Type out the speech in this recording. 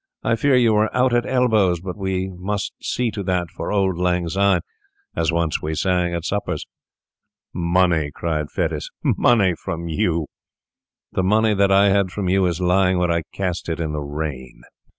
I fear you are out at elbows; but we must see to that for auld lang syne, as once we sang at suppers.' 'Money!' cried Fettes; 'money from you! The money that I had from you is lying where I cast it in the rain.